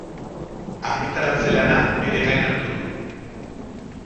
Argitaratze lana bere gain hartu du.